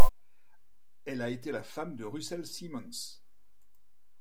Elle a été la femme de Russell Simmons.